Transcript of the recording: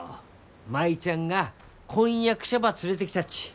舞ちゃんが婚約者ば連れてきたっち。